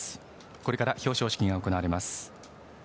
これから表彰式が行われます。